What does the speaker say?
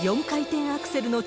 ４回転アクセル。